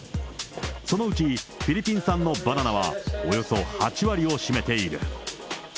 そのうちフィリピン産のバナナはおよそ８割を占めている。